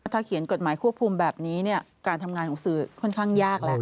ถ้าเขียนกฎหมายควบคุมแบบนี้การทำงานของสื่อค่อนข้างยากแล้ว